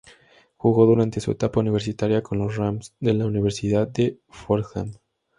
Jugó durante su etapa universitaria con los "Rams" de la Universidad de Fordham.